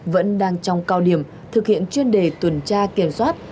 vẫn đang trong cao điểm thực hiện chuyên đề tuần tra kiểm soát